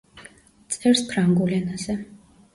წერს ფრანგულ ენაზე.